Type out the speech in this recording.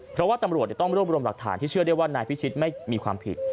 เพราะว่าตำรวจต้องรวบรวมหลักฐานที่เชื่อได้ว่านายพิชิตไม่มีความผิด